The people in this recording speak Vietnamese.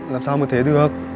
làm sao mà thế được